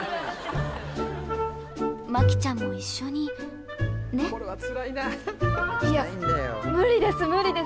摩季ちゃんも一緒にねっいや無理です無理です